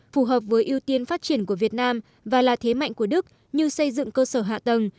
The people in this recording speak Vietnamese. phù hợp với ưu tiên phát triển của việt nam và là thế mạnh của đức như xây dựng cơ sở hạ tầng